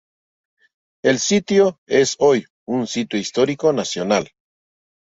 El sitio es hoy un sitio histórico nacional.